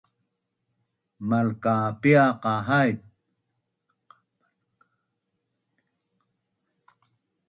Malkapia qa haip?